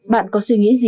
bạn có suy nghĩ gì